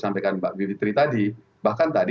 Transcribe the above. sampaikan mbak bivitri tadi bahkan tadi